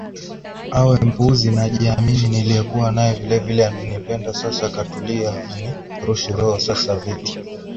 awe mpuuzi najiamini niliyekuwa naye vile vile ananipenda sasa katulia Hanirushi roho Sasa vitu